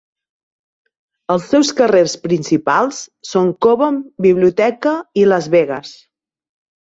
Els seus carrers principals són Cobom, Biblioteca i Las Vegas.